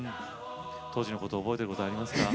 当時のこと覚えてることありますか？